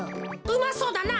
うまそうだな。